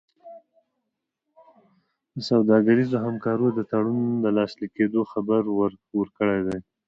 د سوداګریزو همکاریو د تړون د لاسلیک کېدو خبر ورکړی دی.